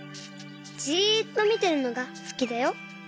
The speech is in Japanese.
じっとみてるのがすきだよ。